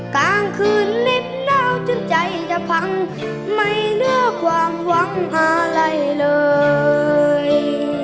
กลางคืนเน็บดาวจนใจจะพังไม่เลือกความหวังอะไรเลย